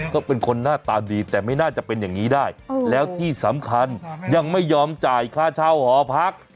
ก็เป็นคนหน้าตาดีแต่ไม่น่าจะเป็นอย่างนี้ได้แล้วที่สำคัญยังไม่ยอมจ่ายค่าเช่าหอพัก